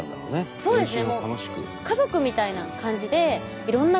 そうですよね。